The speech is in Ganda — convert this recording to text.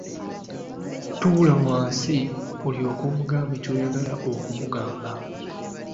Tuula wansi olyoke omugambe ky'oyagala okumugamba.